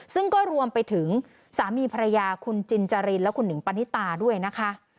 ซึ่งก็รวมไปถึงสามีภรรยาคุณจินจรินและคุณหิงปณิตาด้วยนะคะ